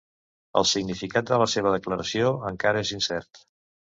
El significat de la seva declaració encara és incert.